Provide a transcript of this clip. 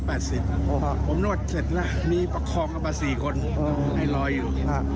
ผมนวดเสร็จแล้วมีประคองมา๔คนให้รอยอยู่